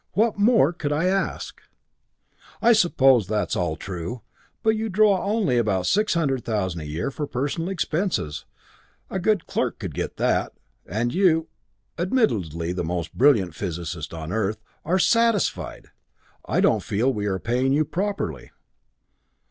What more could I ask?" "I suppose that's all true but you draw only about six thousand a year for personal expenses a good clerk could get that and you, admittedly the most brilliant physicist of the Earth, are satisfied! I don't feel we're paying you properly!"